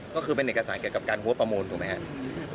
ก็คือเป็นเอกสารเกี่ยวกับการหัวประมูลถูกไหมครับ